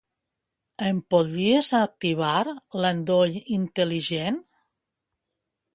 Em podries activar l'endoll intel·ligent?